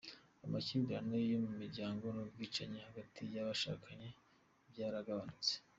Amakimbirane yo mu miryango n’ubwicanyi hagati y’abashakanye byaragabanutse’.